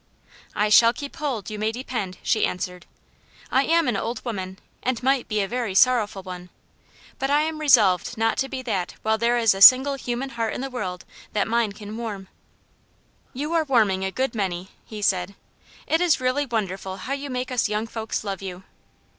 " I shall keep hold, you may depend," she an swered. " I am an old woman, and might be a very sorrowful one ; but I am resolved not to be that while there is a single human heart in the world that mine can warm." " You are warming a good many," he said. ^' It is really wonderful how you make us young folks love you."